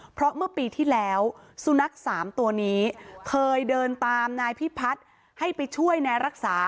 เพราะเมื่อปีที่แล้วสุนัข๓ตัวนี้เคยเดินตามนายพิพัฒน์ให้ไปช่วยนายรักษา